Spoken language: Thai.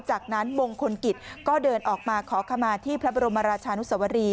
จากนั้นมงคลกิจก็เดินออกมาขอขมาที่พระบรมราชานุสวรี